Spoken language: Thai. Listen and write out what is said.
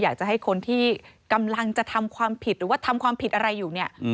อยากจะให้คนที่กำลังจะทำความผิดหรือว่าทำความผิดอะไรอยู่เนี่ย